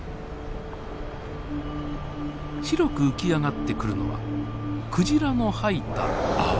白く浮き上がってくるのはクジラの吐いた泡。